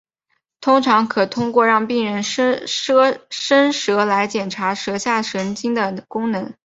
通常可通过让病人伸舌来检查舌下神经的功能。